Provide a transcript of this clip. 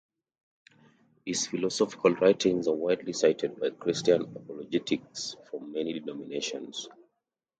His philosophical writings are widely cited by Christian apologetics from many denominations.